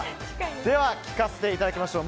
では、聞かせていただきましょう。